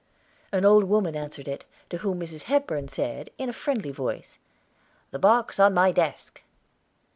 An old woman answered it, to whom Mrs. Hepburn said, in a friendly voice, "The box in my desk."